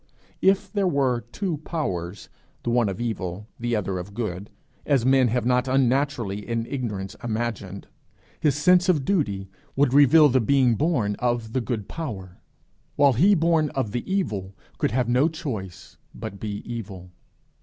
If there were two powers, the one of evil, the other of good, as men have not unnaturally in ignorance imagined, his sense of duty would reveal the being born of the good power, while he born of the evil could have no choice but be evil.